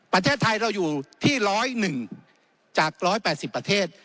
ประเทศไทยเราอยู่ที่ร้อยหนึ่งจากร้อยแปดสิบประเทศ